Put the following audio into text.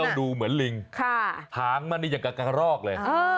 มันต้องดูเหมือนลิงหางมันอย่างกากรารอกเลย